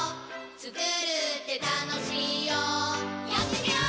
つくるってたのしいよやってみよー！